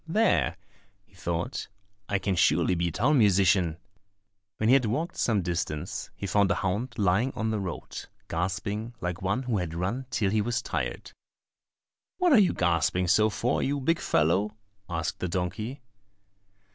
"There," he thought, "I can surely be town musician." When he had walked some distance, he found a hound lying on the road, gasping like one who had run till he was tired. "What are you gasping so for, you big fellow?" asked the donkey.